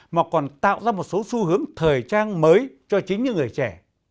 mà còn tạo ra một số xu hướng thời trang mới cho chính những người trẻ